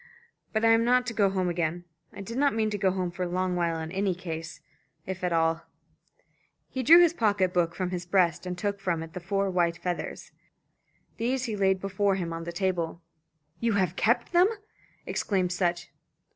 But I am not to go home again. I did not mean to go home for a long while in any case, if at all." He drew his pocket book from his breast, and took from it the four white feathers. These he laid before him on the table. "You have kept them?" exclaimed Sutch.